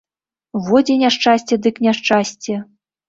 Во дзе няшчасце дык няшчасце.